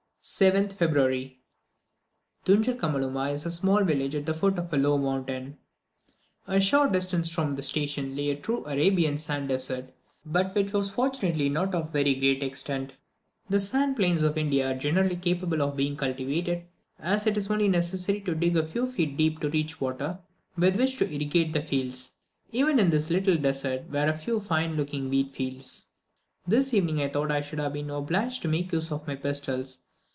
7th February. Dungerkamaluma is a small village at the foot of a low mountain. A short distance from the station lay a true Arabian sand desert, but which was fortunately not of very great extent. The sand plains of India are generally capable of being cultivated, as it is only necessary to dig a few feet deep to reach water, with which to irrigate the fields. Even in this little desert were a few fine looking wheat fields. This evening I thought that I should have been obliged to make use of my pistols.